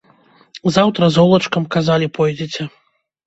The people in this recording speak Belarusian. Заўтра золачкам, казалі, пойдзеце.